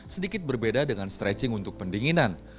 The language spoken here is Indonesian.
sedikit berbeda dengan stretching untuk pendinginan